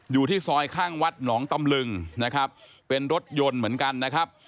อยู่ที่ซอยข้างวัดหนองตำลึงนะครับเป็นรถยนต์เหมือนกันนะครับ